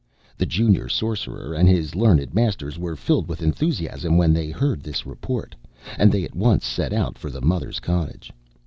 The Junior Sorcerer and his learned Masters were filled with enthusiasm when they heard this report, and they at once set out for the mother's cottage.